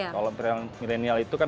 kalau milenial itu kan